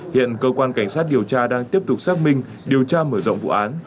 hiện cơ quan cảnh sát điều tra đang tiếp tục xác minh điều tra mở rộng vụ án